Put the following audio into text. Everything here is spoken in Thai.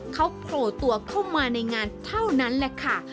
เขาโผล่ตัวเข้ามาในงานเท่านั้นแหละค่ะ